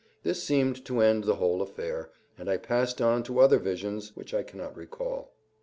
This seemed to end the whole affair, and I passed on to other visions, which I cannot recall.